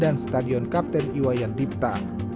dan stadion kapten iwayan dipta